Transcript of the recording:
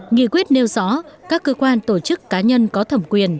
nghị quyết nêu rõ các cơ quan tổ chức cá nhân có thẩm quyền